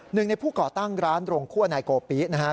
หนึ่งในผู้ก่อตั้งร้านโรงคั่วนายโกปินะครับ